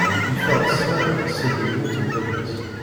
Yeffeɣ-d ssmana seld lmut n baba-s.